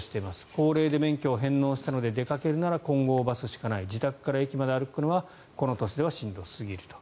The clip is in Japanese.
高齢で免許を返納したので出かけるなら金剛バスしかない自宅から駅まで歩くのはこの年ではしんどすぎると。